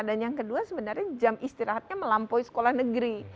dan yang kedua sebenarnya jam istirahatnya melampaui sekolah negeri